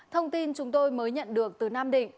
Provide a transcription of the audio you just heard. thông tin chúng tôi mới nhận được từ nam định